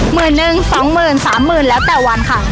หมื่นหนึ่งสองหมื่นสามหมื่นแล้วแต่วันค่ะ